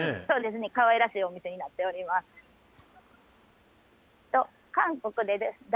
そうですね、かわいらしいお店になっております。